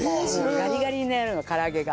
ガリガリなの唐揚げが。